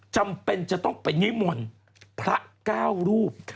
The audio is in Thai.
จำเป็นจะต้องไปนิมนต์พระเก้ารูป